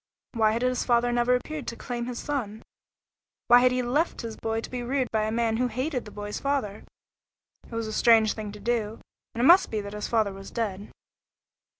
Why had his father never appeared to claim his son? Why had he left his boy to be reared by a man who hated the boy's father? It was a strange thing to do, and it must be that his father was dead.